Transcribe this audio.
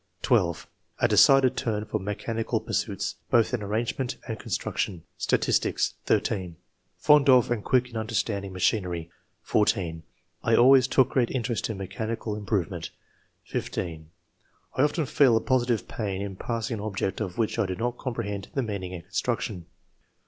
12. "A decided turn for mechanical pursuits, both in arrangement and construction.'' Statistics. — 13. *'Fond of and quick in understanding machinery." 14. "I always took great interest in mechanical im provement." 15. "I often feel a positive pain in passing an object of which I do not compre hend the meaning and construction."